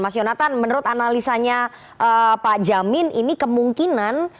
mas yonatan menurut analisanya pak jamin ini kemungkinan